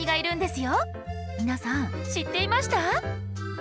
皆さん知っていました？